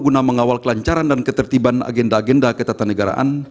guna mengawal kelancaran dan ketertiban agenda agenda ketatanegaraan